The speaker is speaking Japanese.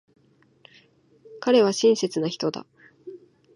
彼は親切な人だ。